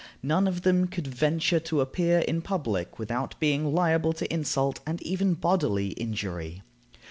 None of them could venture to appear in public without being liable to insult, and even bodily injury.